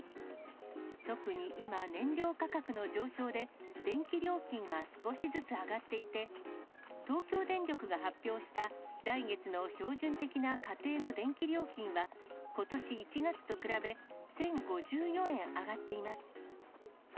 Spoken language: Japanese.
特に今、燃料価格の上昇で、電気料金が少しずつ上がっていて、東京電力が発表した来月の標準的な家庭の電気料金は、ことし１月と比べ、１０５４円上がっています。